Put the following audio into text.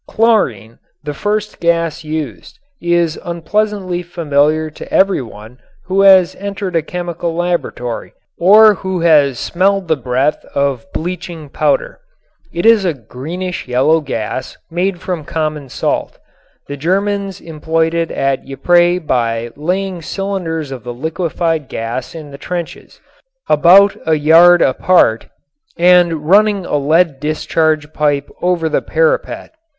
Chlorine, the first gas used, is unpleasantly familiar to every one who has entered a chemical laboratory or who has smelled the breath of bleaching powder. It is a greenish yellow gas made from common salt. The Germans employed it at Ypres by laying cylinders of the liquefied gas in the trenches, about a yard apart, and running a lead discharge pipe over the parapet.